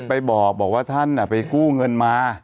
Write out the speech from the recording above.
ไปบอกว่าท่านไปกู้เงินมา